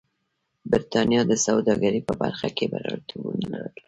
برېټانیا د سوداګرۍ په برخه کې بریالیتوبونه لرل.